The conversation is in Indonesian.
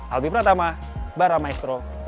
albi pratama baramaestro